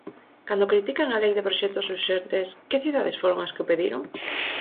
Cando critican a Lei de proxectos urxentes, ¿que cidades foron as que o pediron?